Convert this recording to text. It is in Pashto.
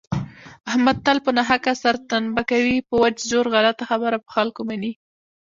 احمد تل په ناحقه سرتنبه کوي په وچ زور غلطه خبره په خلکو مني.